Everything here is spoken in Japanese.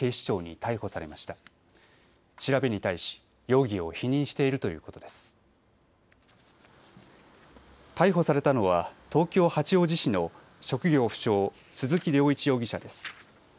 逮捕されたのは東京八王子市の職業不詳、鈴木涼一容疑者です。